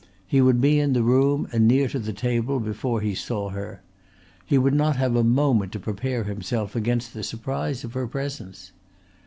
He would be in the room and near to the table before he saw her. He would not have a moment to prepare himself against the surprise of her presence.